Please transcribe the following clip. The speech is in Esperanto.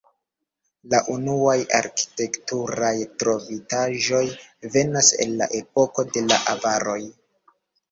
La unuaj arkitekturaj trovitaĵoj venas el la epoko de la avaroj.